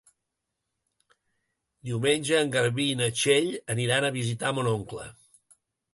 Diumenge en Garbí i na Txell aniran a visitar mon oncle.